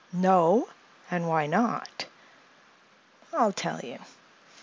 "No? And why not?" "I'll tell you.